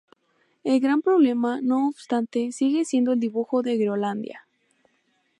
El gran problema, no obstante, sigue siendo el dibujo de Groenlandia.